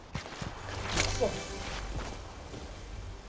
Nexsef.